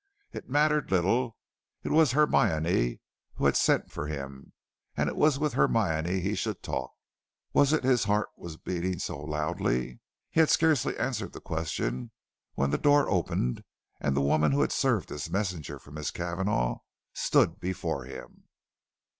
It mattered little. It was Hermione who had sent for him, and it was with Hermione he should talk. Was it his heart that was beating so loudly? He had scarcely answered the question, when the door opened, and the woman who had served as a messenger from Miss Cavanagh stood before him.